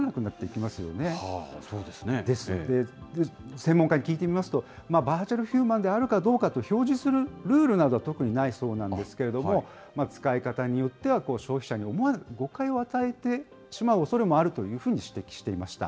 専門家に聞いてみますと、バーチャルヒューマンであるかどうかを表示するルールなどは特にないそうなんですけれども、使い方によっては、消費者に思わぬ誤解を与えてしまうおそれもあるというふうに指摘していました。